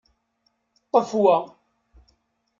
Ṭṭef wa.